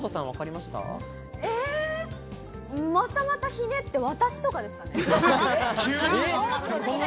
またまたひねって、私とかですかね？